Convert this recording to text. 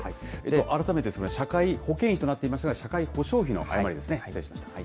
改めて社会保険費となっていますが、社会保障費の誤りですね。